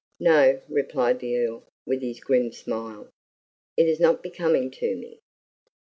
"No," replied the Earl, with his grim smile; "it is not becoming to me."